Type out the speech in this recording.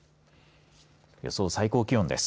予想最低気温です。